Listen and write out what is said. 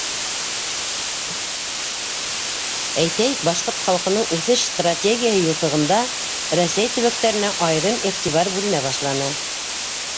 Әйтәйек, Башҡорт халҡының үҫеш стратегияһы юҫығында Рәсәй төбәктәренә айырым иғтибар бүленә башланы.